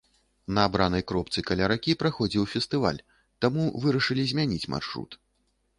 На абранай кропцы каля ракі праходзіў фестываль, таму вырашылі змяніць маршрут.